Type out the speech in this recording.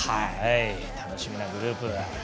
楽しみなグループ。